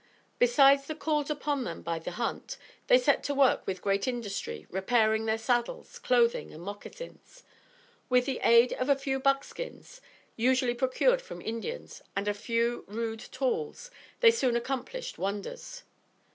Besides the calls upon them by the hunt, they set to work with great industry repairing their saddles, clothing and moccasins. With the aid of a few buck skins, usually procured from Indians, and a few rude tools, they soon accomplished wonders.